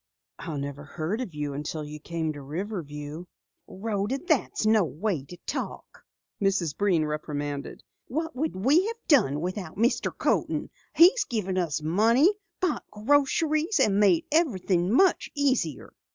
"I never heard of you until you came to Riverview." "Rhoda, that's no way to talk!" Mrs. Breen reprimanded. "What would we have done without Mr. Coaten? He's given us money, bought groceries, and made everything much easier."